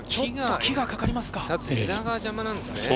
木がかかりますか？